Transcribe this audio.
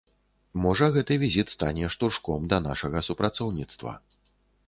Можа, гэты візіт стане штуршком да нашага супрацоўніцтва.